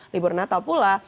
libur natal pula